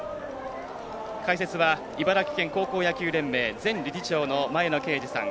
解説は茨城県高校野球連盟前理事長の前野啓二さん。